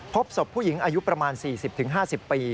พบศพผู้หญิงอายุประมาณ๔๐๕๐ปี